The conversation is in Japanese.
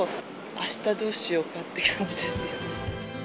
あしたどうしようかって感じです。